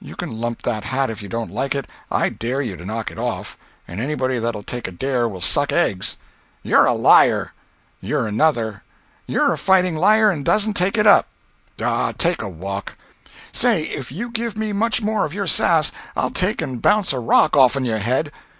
"You can lump that hat if you don't like it. I dare you to knock it off—and anybody that'll take a dare will suck eggs." "You're a liar!" "You're another." "You're a fighting liar and dasn't take it up." "Aw—take a walk!" "Say—if you give me much more of your sass I'll take and bounce a rock off'n your head."